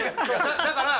だから。